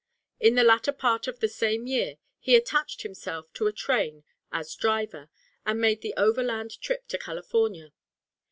In the latter part of the same year he attached himself to a train as driver, and made the overland trip to California.